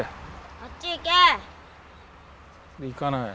あっち行け！で行かない。